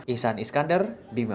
ihsan iskandar bima